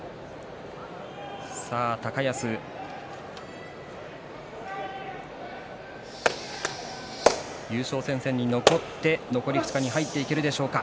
高安、優勝戦線に残って残り２日に入っていけるでしょうか。